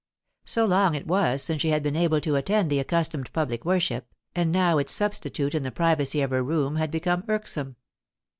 So long it was since she had been able to attend the accustomed public worship, and now its substitute in the privacy of her room had become irksome.